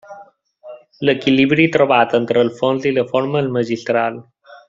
L'equilibri trobat entre el fons i la forma és magistral.